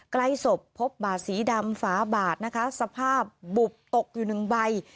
ใกล้ศพพบบาดสีดำฝาบาดนะคะสภาพบุบตกอยู่หนึ่งใบ